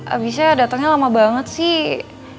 abisnya datangnya lama banget sih